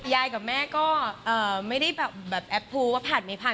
ยายกับแม่ก็ไม่ได้แอบพูวว่าผ่านไม่ผ่าน